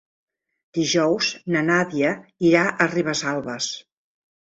Dijous na Nàdia irà a Ribesalbes.